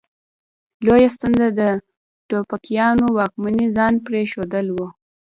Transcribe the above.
لویه ستونزه د ټوپکیانو واکمني ځان پرې ښودل وه.